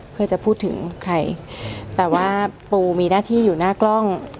เพื่อจะพูดถึงใครแต่ว่าปูมีหน้าที่อยู่หน้ากล้อง